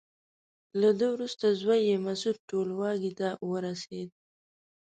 له ده وروسته زوی یې مسعود ټولواکۍ ته ورسېد.